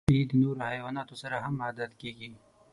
سپي د نورو حیواناتو سره هم عادت کېږي.